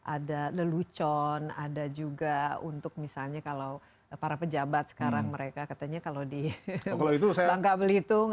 ada lelucon ada juga untuk misalnya kalau para pejabat sekarang mereka katanya kalau di bangka belitung